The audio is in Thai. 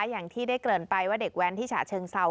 อย่างที่ได้เกริ่นไปว่าเด็กแว้นที่ฉะเชิงเซา